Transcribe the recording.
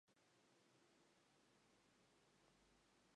Contiene una alegoría de la muerte al citar el esqueleto y la guadaña.